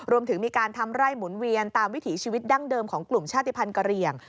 รวมถึงมีการทำไร่หมุนเวียนตามวิถีชีวิตดั้งเดิมของกลุ่มชาติภัณฑ์กะเหลี่ยง